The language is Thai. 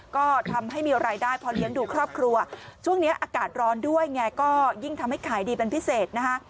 ก็ทำให้มีรายได้พอเลี้ยงดูครอบครัวช่วงนี้อากาศร้อนด้วยไงก็ยิ่งทำให้ขายดีเป็นพิเศษนะคะ